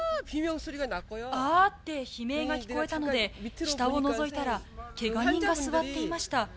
あーって悲鳴が聞こえたので、下をのぞいたら、けが人が座っていました。